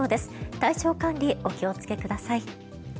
体調管理、お気をつけください。